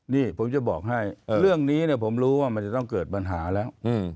นี่ผมจะบอกให้เรื่องนี้ผมรู้ว่ามันจะต้องเกิดปัญหาแล้ว